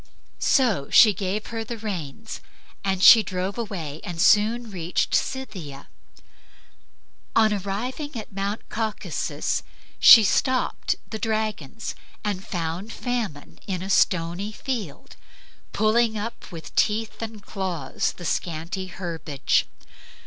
So she gave her the reins, and she drove away and soon reached Scythia. On arriving at Mount Caucasus she stopped the dragons and found Famine in a stony field, pulling up with teeth and claws the scanty herbage.